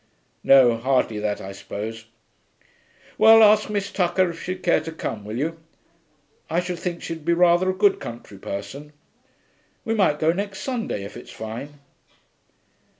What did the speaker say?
'No, hardly that, I suppose. Well, ask Miss Tucker if she'd care to come, will you? I should think she'd be rather a good country person. We might go next Sunday, if it's fine.'